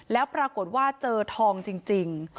แล้วปรากฏว่าเจอทองจริง